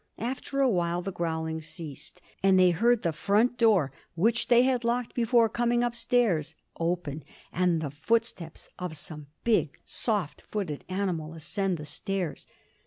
After a while the growling ceased, and they heard the front door, which they had locked before coming upstairs, open, and the footsteps of some big, soft footed animal ascend the stairs.